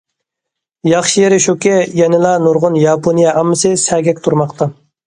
ياخشى يېرى شۇكى، يەنىلا نۇرغۇن ياپونىيە ئاممىسى سەگەك تۇرماقتا.